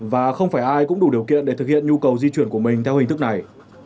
và không phải ai cũng đủ điều kiện để thực hiện nhu cầu di chuyển của mình theo hình thức này